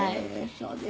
そうですか。